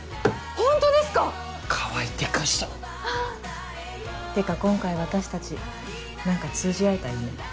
ホントですか⁉川合でかした！ってか今回私たち何か通じ合えたよね。